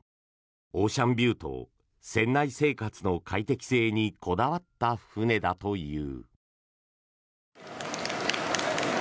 オーシャンビューと船内生活の快適性にこだわった船だという。